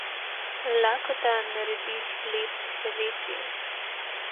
Lakota naredi hleb še večji.